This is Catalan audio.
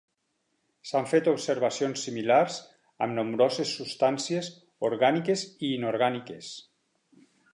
S'han fet observacions similars amb nombroses substàncies orgàniques i inorgàniques.